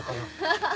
ハハハ。